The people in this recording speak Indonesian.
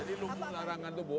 jadi lubuk larangan tuh bu